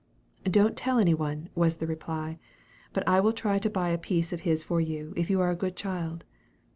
"Don't tell any one," was the reply; "but I will try to buy a piece of his for you if you are a good child."